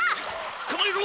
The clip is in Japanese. つかまえろ！